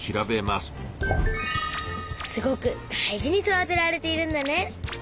すごく大事に育てられているんだね。